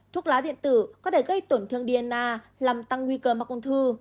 thuốc lá điện tử có thể gây tổn thương dienna làm tăng nguy cơ mắc ung thư